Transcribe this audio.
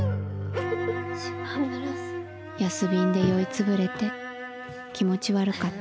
「安瓶で酔い潰れて気持ち悪かった」。